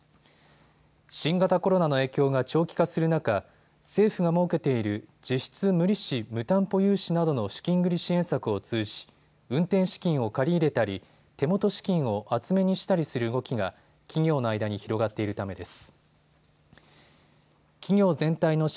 新型コロナの影響が長期化する中、政府が設けている実質無利子・無担保融資などの資金繰り支援策を通じ、運転資金を借り入れたり手元資金を厚めにしたりする動きが企業の間に広がっているためです。